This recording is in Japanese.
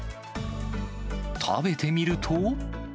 食べてみると。